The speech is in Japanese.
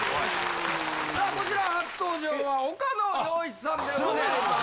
さあこちら初登場は岡野陽一さんでございます。